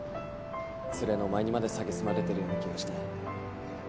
ツレのお前にまでさげすまれてるような気がして。